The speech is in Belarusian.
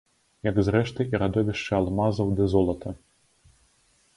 Як, зрэшты, і радовішчы алмазаў ды золата.